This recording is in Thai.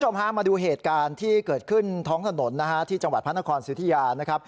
คุณผู้ชมฮามาดูเหตุการณ์ที่เกิดขึ้นท้องถนนที่จังหวัดพระนครสิทธิยา